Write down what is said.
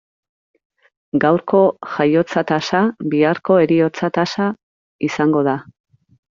Gaurko jaiotza tasa biharko heriotza tasa izango da.